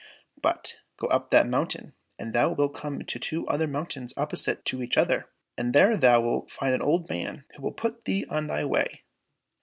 But go up that mountain, and thou wilt come to two other mountains opposite to each other, and there thou wilt find an old man, who will put thee on thy way."